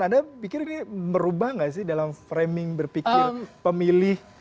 anda pikir ini merubah nggak sih dalam framing berpikir pemilih